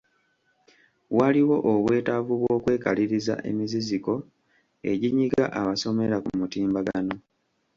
Waliwo obwetaavu bw'okwekaliriza emiziziko eginyiga abasomera ku mutimbagano.